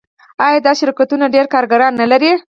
آیا دا شرکتونه ډیر کارګران نلري؟